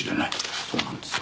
そうなんですよ。